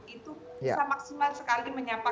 itu bisa maksimal sekali menyapa